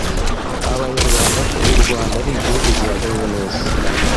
abanyarwanda ko u rwanda ari igihugu gihagaze neza